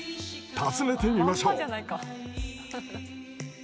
訪ねてみましょう。